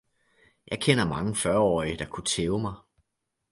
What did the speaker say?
Jeg kender mange fyrreårige, der kunne tæve mig.